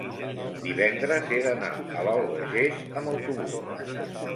divendres he d'anar a l'Albagés amb autobús.